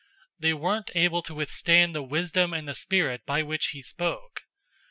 006:010 They weren't able to withstand the wisdom and the Spirit by which he spoke.